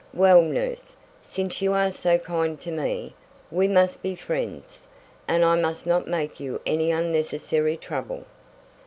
"Well, nurse, since you are so kind to me, we must be friends, and I must not make you any unnecessary trouble."